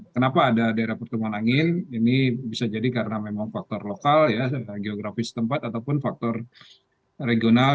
kenapa ada daerah pertumbuhan angin ini bisa jadi karena memang faktor lokal ya geografis tempat ataupun faktor regional